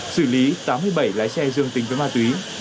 xử lý tám mươi bảy lái xe dương tính với ma túy